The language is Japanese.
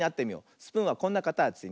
スプーンはこんなかたちね。